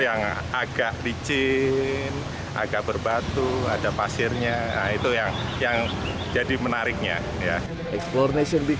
yang agak licin agak berbatu ada pasirnya itu yang yang jadi menariknya ya explor nation di